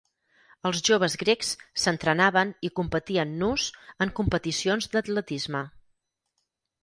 Els joves grecs s'entrenaven i competien nus en competicions d'atletisme.